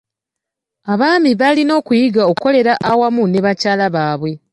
Abaami balina okuyiga okukolera awamu ne bakyala baabwe.